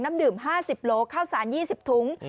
น้ำดื่ม๕๐โลข้าวสาร๒๐ถุง